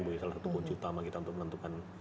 sebagai salah satu kunci utama kita untuk menentukan